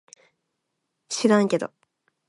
しらんけど